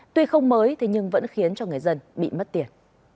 tuy không mới nhưng vẫn khiến cho người dân bị mất tiền